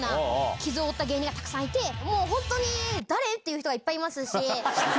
傷を負った芸人がたくさんいて、もう本当に誰？っていう人がいっ失礼。